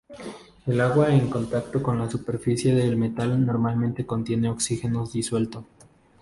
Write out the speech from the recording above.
El agua en contacto con la superficie del metal normalmente contiene oxígeno disuelto.